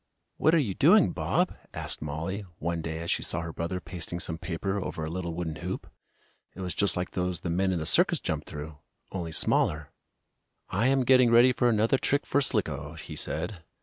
"What are you doing, Bob?" asked Mollie, one day as she saw her brother pasting some paper over a little wooden hoop. It was just like those the men in the circus jump through, only smaller. "I am getting ready for another trick for Slicko," he said.